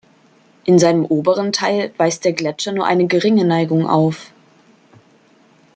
In seinem oberen Teil weist der Gletscher nur eine geringe Neigung auf.